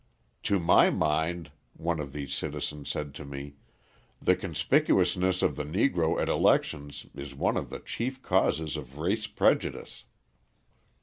"To my mind," one of these citizens said to me, "the conspicuousness of the Negro at elections is one of the chief causes of race prejudice."